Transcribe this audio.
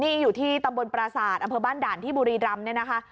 นี่อยู่ที่ตำบลประศาจอเมืองบันด่านที่บุรีรำ